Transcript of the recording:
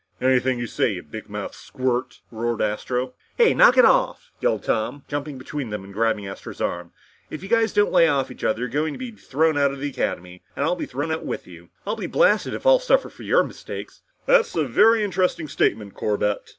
"Anything you say, you bigmouthed squirt!" roared Astro. "Hey knock it off!" yelled Tom, jumping between them and grabbing Astro's arm. "If you guys don't lay off each other, you're going to be thrown out of the Academy, and I'll be thrown out with you! I'll be blasted if I'll suffer for your mistakes!" "That's a very interesting statement, Corbett!"